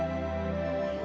ini yang harus diberikan pak